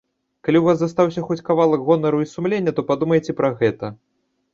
Калі ў вас застаўся хоць кавалак гонару і сумлення, то падумайце пра гэта.